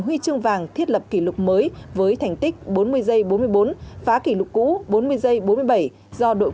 huy chương vàng thiết lập kỷ lục mới